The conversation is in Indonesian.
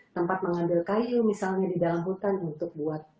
tempat mengambil kayu misalnya di dalam hutan untuk buat